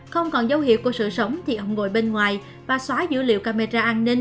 không còn dấu hiệu của sự sống thì ông ngồi bên ngoài và xóa dữ liệu camera an ninh